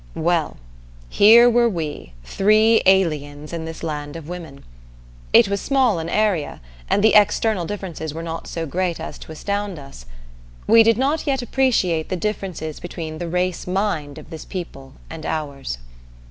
Well here were we, three aliens in this land of women. It was small in area, and the external differences were not so great as to astound us. We did not yet appreciate the differences between the race mind of this people and ours.